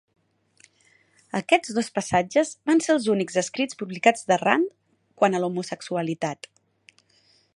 Aquests dos passatges van ser els únics escrits publicats de Rand quant a l'homosexualitat.